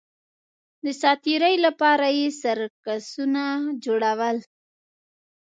د ساتېرۍ لپاره یې سرکسونه جوړول